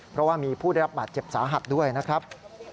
เพราะว่ามีผู้ได้รับบาดเจ็บสาหัสด้วยนะครับ